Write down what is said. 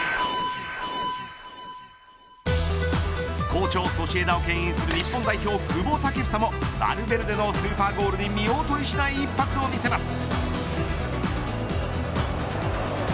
好調ソシエダをけん引する日本代表、久保建英もヴァルヴェルデのスーパーゴールに見劣りしない一発を見せます。